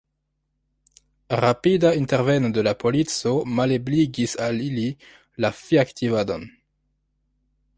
Rapida interveno de la polico malebligis al ili la fiaktivadon.